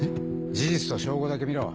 事実と証拠だけ見ろ。